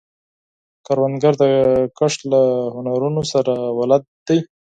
کروندګر د کښت له هنرونو سره بلد دی